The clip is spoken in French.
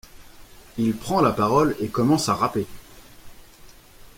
Il prend la parole et commence à rapper.